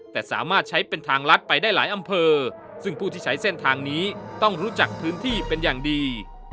แต่สามารถใช้เป็นทางลัดไปได้หลายอำเภอซึ่งผู้ที่ใช้เส้นทางนี้ต้องรู้จักพื้นที่เป็นอย่างดี